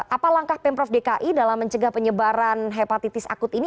apa langkah pemprov dki dalam mencegah penyebaran hepatitis akut ini